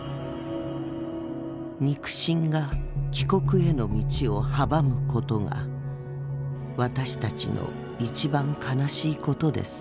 「肉親が帰国への道を阻む事が私たちの一番悲しい事です」。